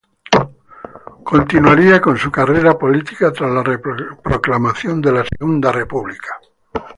Continuaría con su carrera política tras la proclamación de la Segunda República.